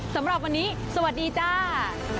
สำหรับวันนี้สวัสดีจ้า